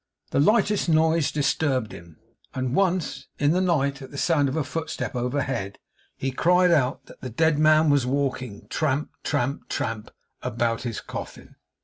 The lightest noise disturbed him; and once, in the night, at the sound of a footstep overhead, he cried out that the dead man was walking tramp, tramp, tramp about his coffin.